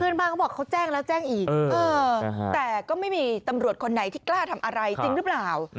เขาบอกเขาแจ้งแล้วแจ้งอีกแต่ก็ไม่มีตำรวจคนไหนที่กล้าทำอะไรจริงหรือเปล่า